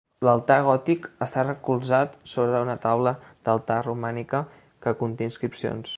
L'altar gòtic està recolzat sobre una taula d’altar romànica que conté inscripcions.